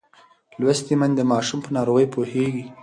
لوستې میندې د ماشوم پر ناروغۍ پوهېږي.